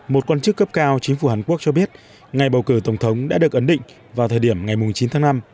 một quan chức cấp cao chính phủ hàn quốc cho biết ngày bầu cử tổng thống đã được ấn định vào thời điểm ngày chín tháng năm